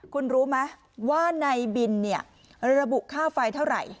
คุณรู้ไหมว่าในบินระบุค่าไฟเท่าไหร่